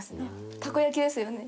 たこ焼きですよね？